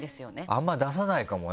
あんま出さないかもね。